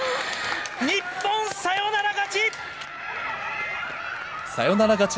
日本、サヨナラ勝ち！